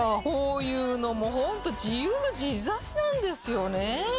「こういうのもホント自由自在なんですよね」